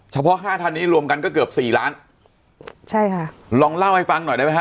ห้าท่านนี้รวมกันก็เกือบสี่ล้านใช่ค่ะลองเล่าให้ฟังหน่อยได้ไหมฮ